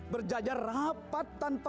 berjajaran dan berjaga jaga